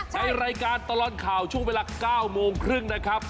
ในรายการตลอดข่าวช่วงเวลา๙โมงครึ่งนะครับ